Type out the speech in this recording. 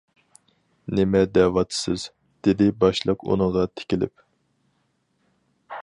— نېمە دەۋاتىسىز؟ -دېدى باشلىق ئۇنىڭغا تىكىلىپ.